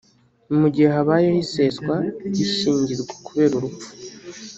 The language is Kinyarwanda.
Mu gihe habayeho iseswa ry’ishyingirwa kubera urupfu